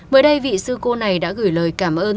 mới đây vị sư cô này đã gửi lời cảm ơn